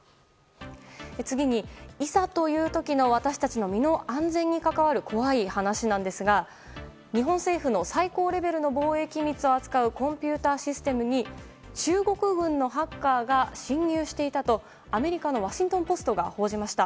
次に、いざという時の私たちの身の安全に関わる怖い話なんですが、日本政府の最高レベルの防衛機密を扱うコンピューターシステムに中国軍のハッカーが侵入していたとアメリカのワシントン・ポストが報じました。